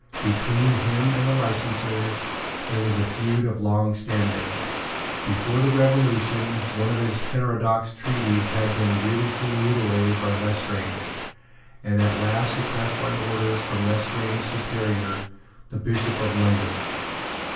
Between him and the licensers there was a feud of long standing. Before the Revolution one of his heterodox treatises had been grievously mutilated by Lestrange, and at last suppressed by orders from Lestrange's superior the Bishop of London.